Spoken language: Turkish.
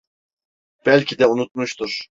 Belki de unutmuştur…